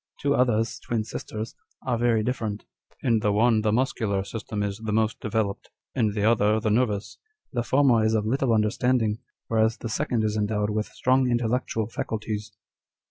Two others, twin sisters, are very dif ferent : in the one the muscular system is the most developed, in the other the nervous. The former is of little understanding, whereas the second is endowed with strong intellectual faculties."